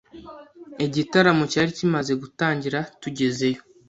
Igitaramo cyari kimaze gutangira tugezeyo.